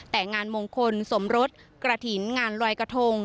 แต่งานมงคลสมรสกระถิ่นงานลอยกระทง